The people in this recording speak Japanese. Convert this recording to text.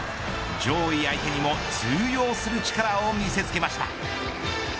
上位相手にも通用する力を見せつけました。